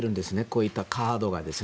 こういったカードが。